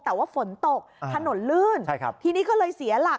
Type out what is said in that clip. แต่ว่าฝนตกถนนลื่นที่นี่ก็เลยเสียหลัก